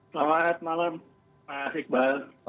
selamat malam pak iqbal